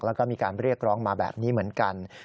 แล้วก็มีการเรียกร้องมาแบบนี้เหมือนกัน